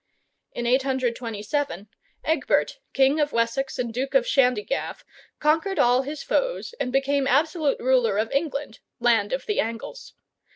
In 827, Egbert, King of Wessex and Duke of Shandygaff, conquered all his foes and became absolute ruler of England (Land of the Angles).